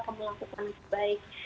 kamu lakukan yang terbaik